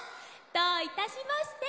どういたしまして。